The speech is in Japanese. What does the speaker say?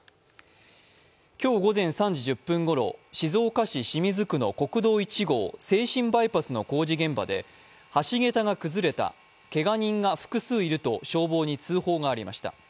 今日午前３時１０分ごろ、静岡市清水区の国道１号、静清バイパスの工事現場で、橋桁が崩れた、けが人が複数いると消防に通報がありました。